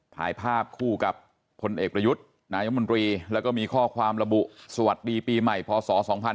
ถ่ายภาพคู่กับพลเอกประยุทธ์นายมนตรีแล้วก็มีข้อความระบุสวัสดีปีใหม่พศ๒๕๕๙